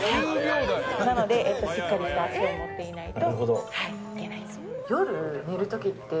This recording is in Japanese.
なので、しっかりした脚を持っていないと。